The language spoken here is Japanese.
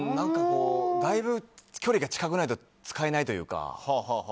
だいぶ距離が近くないと使えないというか。